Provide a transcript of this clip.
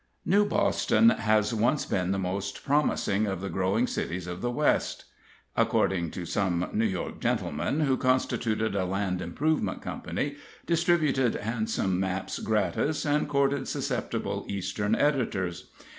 New Boston has once been the most promising of the growing cities of the West, according to some New York gentleman who constituted a land improvement company, distributed handsome maps gratis, and courted susceptible Eastern editors.